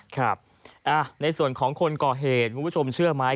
ครับในส่วนของคนก่อเหตุคุณผู้ชมเชื่อไหม